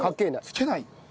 つけない。